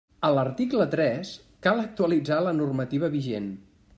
A l'article tres, cal actualitzar la normativa vigent.